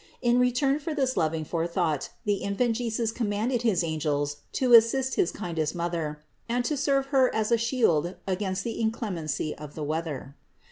In return for this loving fore thought, the Infant Jesus commanded his angels to assist his kindest Mother and to serve Her as a shield against the inclemency of the weather.